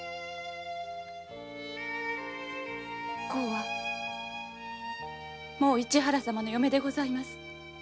「こう」はもう市原様の嫁でございます。